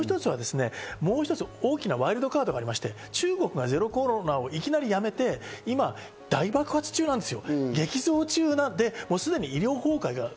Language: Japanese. もう一つは、大きなワイルドカードがあって、中国がゼロコロナをいきなりやめて、今、大爆発中なんですよ。